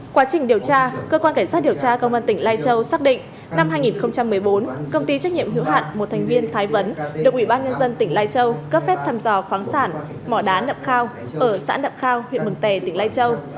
quá trình điều tra cơ quan cảnh sát điều tra công an tỉnh lai châu xác định năm hai nghìn một mươi bốn công ty trách nhiệm hữu hạn một thành viên thái vấn được ủy ban nhân dân tỉnh lai châu cấp phép thăm dò khoáng sản mỏ đá nậm khao ở xã nậm khao huyện mường tè tỉnh lai châu